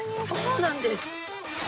そうなんです。